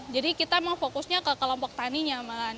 jadi kita mau fokusnya ke kelompok taninya mbak